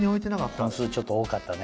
本数ちょっと多かったね。